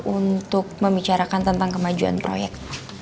untuk membicarakan tentang kemajuan proyek